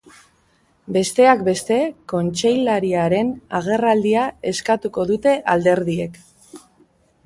Besteak beste, kontseilariaren agerraldia eskatuko dute alderdiek.